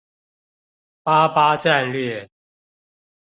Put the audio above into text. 八八戰略